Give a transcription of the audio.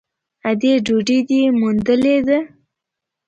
_ادې ! ډوډۍ دې موندلې ده؟